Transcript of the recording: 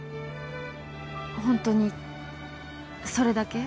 本当にそれだけ？